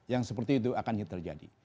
yang seperti itu akan terjadi